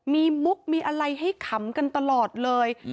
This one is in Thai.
มีมุกมีอะไรให้ขำกันตลอดเลย